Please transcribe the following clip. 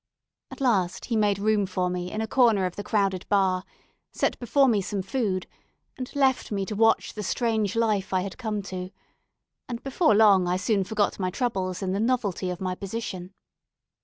At last he made room for me in a corner of the crowded bar, set before me some food, and left me to watch the strange life I had come to; and before long I soon forgot my troubles in the novelty of my position.